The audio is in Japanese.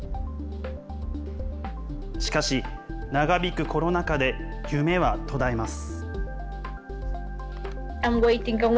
しかし、長引くコロナ禍で夢は途絶えます。